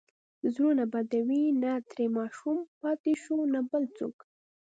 زړونه بدوي، نه ترې ماشوم پاتې شو، نه بل څوک.